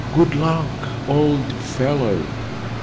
Good luck, old fellow!"